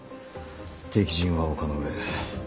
敵陣は丘の上。